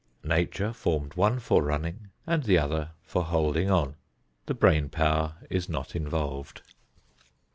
Nature formed one for running and the other for holding on. The brain power is not involved.